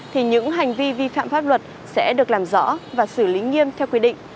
thì những hành vi vi phạm pháp luật sẽ được làm rõ và xử lý nghiêm theo quy định